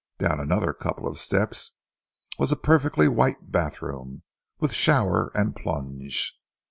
Down another couple of steps was a perfectly white bathroom, with shower and plunge.